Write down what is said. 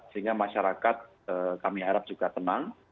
sehingga masyarakat kami harap juga tenang